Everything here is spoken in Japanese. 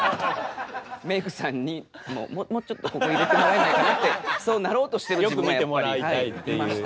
メークさんに「もうちょっとここ入れてもらえないかな」ってそうなろうとしてる自分がやっぱりいました。